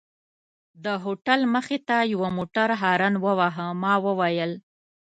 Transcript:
د هوټل مخې ته یوه موټر هارن وواهه، ما وویل.